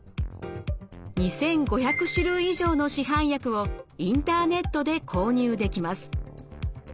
２５００種類以上の市販薬をインターネットで購入できます。